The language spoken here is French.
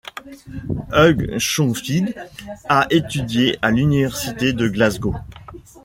Hugh Schonfield a étudié à l'Université de Glasgow.